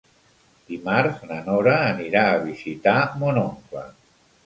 Dimarts na Nora anirà a visitar mon oncle.